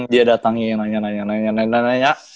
dia datangin nanya nanya